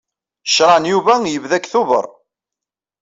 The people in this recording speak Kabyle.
Creɛ n Yuba yebda deg Tubeṛ.